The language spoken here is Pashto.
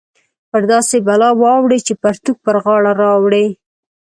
پر داسې بلا واوړې چې پرتوګ پر غاړه راوړې